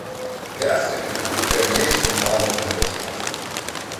De asemenea, fermierii sunt baza sănătății noastre.